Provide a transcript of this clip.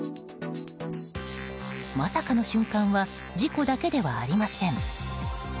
まさかの瞬間は事故だけではありません。